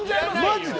マジで。